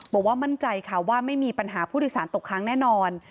บอกว่ามั่นใจค่ะว่าไม่มีปัญหาผู้โดยสารตกค้างแน่นอน